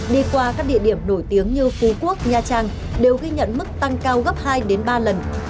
đi qua các địa điểm nổi tiếng như phú quốc nha trang đều ghi nhận mức tăng cao gấp hai đến ba lần